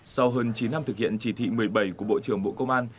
sau hơn chín năm thực hiện chỉ thị một mươi bảy của bộ trưởng bộ công an